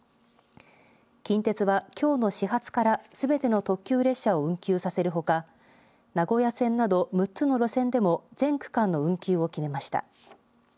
近鉄はきょうの始発からすべての特急列車を運休させるほか、名古屋線など６つの路線でも、全区間の運休を決めました。